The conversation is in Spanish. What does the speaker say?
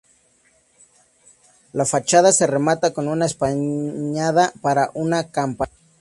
La fachada se remata con una espadaña para una campana.